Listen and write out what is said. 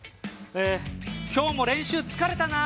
今日も練習疲れたな。